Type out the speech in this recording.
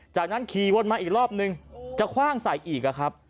จากนั้นขี่วนมาอีกรอบนึงจะคว่างใส่อีกครับ